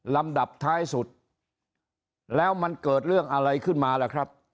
ลำดับท้ายสุดแล้วมันเกิดเรื่องอะไรขึ้นมาล่ะครับ